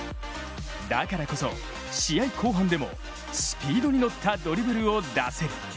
だからこそ試合後半でもスピードに乗ったドリブルを出せる。